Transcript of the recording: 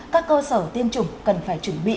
các cơ sở tiêm chủng cần phải chuẩn bị